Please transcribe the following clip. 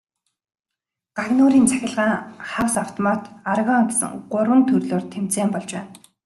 Гагнуурын цахилгаан, хагас автомат, аргон гэсэн гурван төрлөөр тэмцээн болж байна.